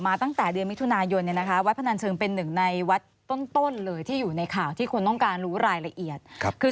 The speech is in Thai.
มีขั้นตอนที่ท่านไปทำแล้วเมื่อพบอะไรแล้วท่านจะทำอย่างไรต่อไป